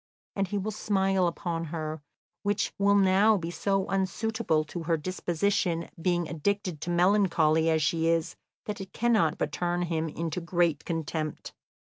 And he will smile upon her, which will now be so unsuitable to her disposition, being addicted to melancholy as she is, that it cannot but turn him into great contempt."